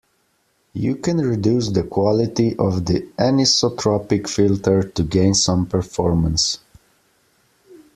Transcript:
You can reduce the quality of the anisotropic filter to gain some performance.